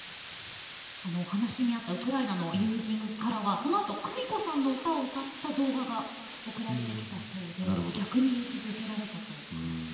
お話にあったウクライナの友人からはそのあとクミコさんの歌を歌った動画が送られてきたそうで逆に勇気づけられたと話していらっしゃいました。